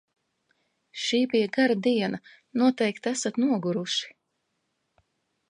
Šī bija gara diena, noteikti esat noguruši!